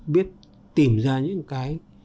biết tìm ra những cái